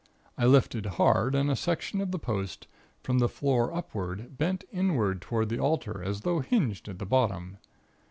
I lifted hard, and a section of the post, from the floor upward, bent inward toward the altar, as though hinged at the bottom.